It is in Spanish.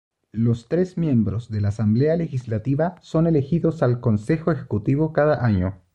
Los tres miembros de la Asamblea Legislativa son elegidos al Consejo Ejecutivo cada año.